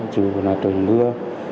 dù là trời mưa